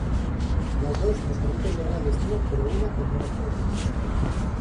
Las dos nos permiten llegar al destino pero una con menos problema.